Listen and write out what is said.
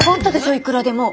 いくらでも。